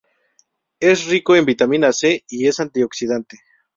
Es rico en vitamina C, y es antioxidante.